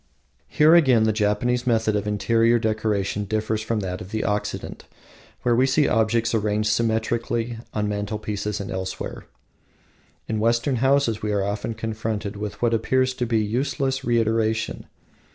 Here again the Japanese method of interior decoration differs from that of the Occident, where we see objects arrayed symmetrically on mantelpieces and elsewhere. In Western houses we are often confronted with what appears to us useless reiteration.